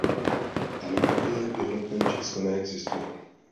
Analogie v jednotném čísle neexistuje.